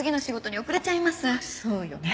そうよね。